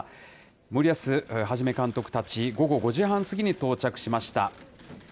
森保一監督たち、午後５時半過ぎに到着しました。